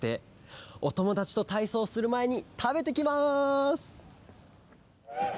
おともだちとたいそうするまえにたべてきます！